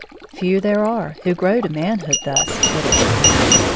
Few there are who grow to manhood thus, little child.